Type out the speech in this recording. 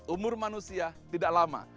umur manusia tidak lama